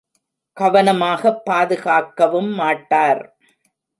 கவனமாகப் பாதுகாக்கவும் மாட்டார்.